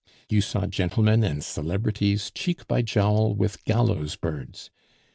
You saw gentlemen and celebrities cheek by jowl with gallows birds.